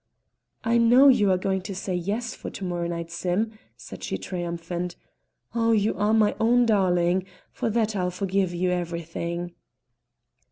"I know you are going to say 'Yes' for to morrow night, Sim," said she triumphant. "Oh, you are my own darling! For that I'll forgive you everything."